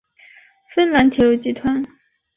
芬兰铁路集团。